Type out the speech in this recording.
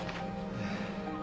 ええ。